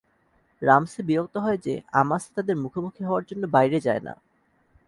রামসে বিরক্ত হয় যে, আমাসা তাদের মুখোমুখি হওয়ার জন্য বাইরে যায় না।